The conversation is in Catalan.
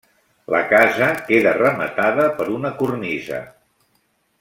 La casa queda rematada per una cornisa.